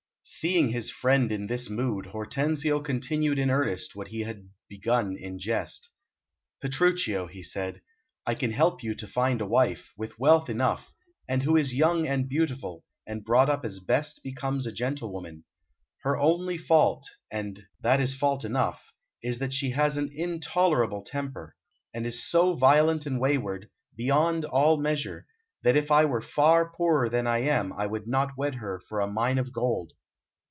Seeing his friend in this mood, Hortensio continued in earnest what he had begun in jest. "Petruchio," he said, "I can help you to a wife, with wealth enough, and who is young and beautiful, and brought up as best becomes a gentlewoman; her only fault, and that is fault enough, is that she has an intolerable temper, and is so violent and wayward, beyond all measure, that if I were far poorer than I am I would not wed her for a mine of gold."